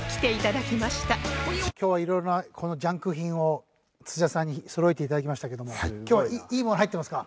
今日は色々なこのジャンク品を土田さんにそろえて頂きましたけども今日はいいもの入ってますか？